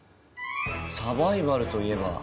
サバイバルといえば。